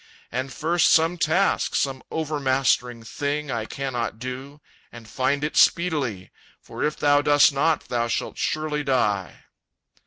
Find first some task, some overmastering thing I cannot do, and find it speedily, For if thou dost not thou shalt surely die!"